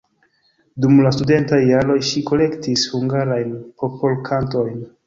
Dum la studentaj jaroj ŝi kolektis hungarajn popolkantojn.